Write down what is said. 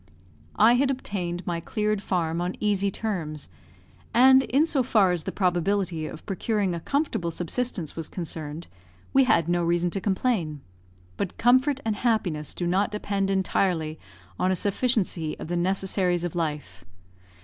I had obtained my cleared farm on easy terms, and, in so far as the probability of procuring a comfortable subsistence was concerned, we had no reason to complain; but comfort and happiness do not depend entirely on a sufficiency of the necessaries of life.